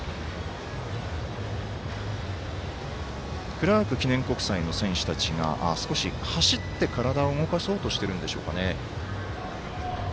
クラーク記念国際の選手たちが少し走って体を動かそうとしているんですか。